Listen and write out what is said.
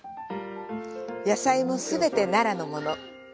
野菜も全て奈良のもの。